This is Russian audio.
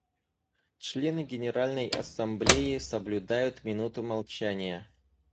Члены Генеральной Ассамблеи соблюдают минуту молчания.